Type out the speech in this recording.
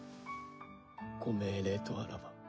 ご命令とあらば。